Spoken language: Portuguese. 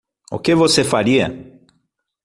O que você faria?